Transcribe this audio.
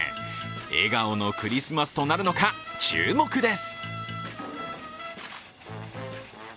笑顔のクリスマスとなるのか、注目です。